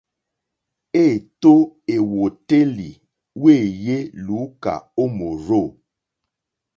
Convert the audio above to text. Êtó èwòtélì wéèyé lùúkà ó mòrzô.